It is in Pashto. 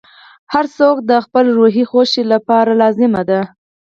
• هر څوک د خپل روحي خوښۍ لپاره لازمه ده.